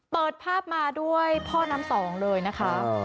เปิดภาพมาด้วยพ่อน้ำสองเลยนะคะ